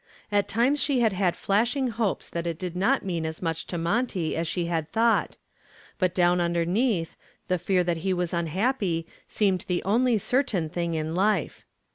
At times she had had flashing hopes that it did not mean as much to Monty as she had thought. But down underneath, the fear that he was unhappy seemed the only certain thing in life.